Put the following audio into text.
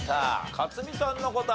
克実さんの答え。